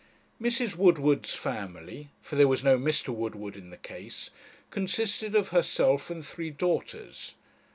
Mrs. Woodward's family, for there was no Mr. Woodward in the case, consisted of herself and three daughters.